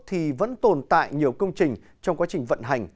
thì vẫn tồn tại nhiều công trình trong quá trình vận hành